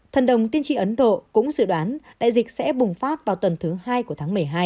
thần đồng tin trị ấn độ cũng dự đoán đại dịch sẽ bùng phát vào tuần thứ hai của tháng một mươi hai